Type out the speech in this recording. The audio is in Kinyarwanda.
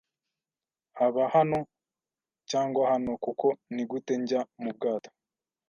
haba hano cyangwa hano; kuko nigute njya mu bwato? ”